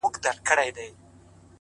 تا چي پر لمانځه له ياده وباسم ـ